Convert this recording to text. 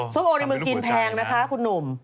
ส้มโอในเมืองจีนแพงนะคะคุณหนุ่ม